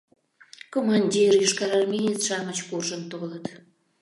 Командир, йошкарармеец-шамыч куржын толыт.